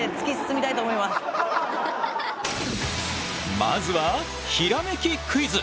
まずはひらめきクイズ。